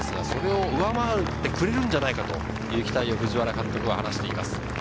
それを上回ってくれるのではないかという期待を藤原監督は話しています。